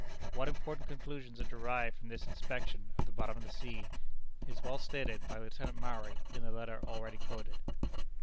What important conclusions are derived from this inspection of the bottom of the sea, is well stated by Lieutenant Maury in the letter already quoted.